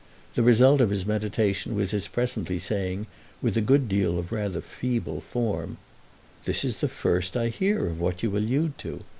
The result of his meditation was his presently saying with a good deal of rather feeble form: "This is the first I hear of what you allude to.